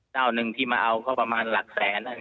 เจ้าหนึ่งที่มาเอาก็ประมาณหลักแสน